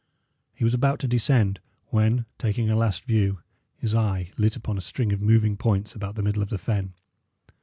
He was about to descend, when, taking a last view, his eye lit upon a string of moving points about the middle of the fen.